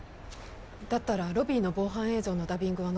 だったらロビーの防犯映像のダビングは残っていますよね？